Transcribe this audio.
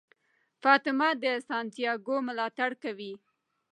فاطمه د سانتیاګو ملاتړ کوي.